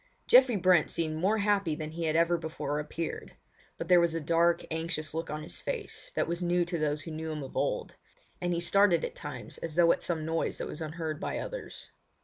Geoffrey Brent seemed more happy than he had ever before appeared; but there was a dark, anxious look on his face that was new to those who knew him of old, and he started at times as though at some noise that was unheard by others.